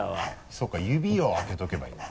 そうか指をあけておけばいいんだ。